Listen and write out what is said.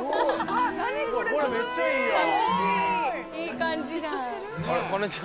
これめっちゃいいやん。